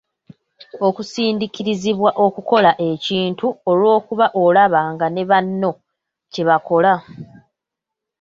Okusindiikirizibwa okukola ekintu olw'okuba olaba nga ne banno kye bakola (peer pressure).